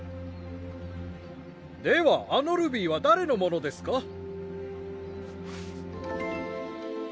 ではあのルビーは誰のものですか？